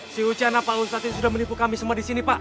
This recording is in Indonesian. si wacana pak ustadz ini sudah menipu kami semua di sini pak